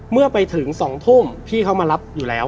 เมื่อไปถึง๒ทุ่มพี่เขามารับอยู่แล้ว